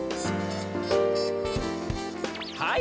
はい。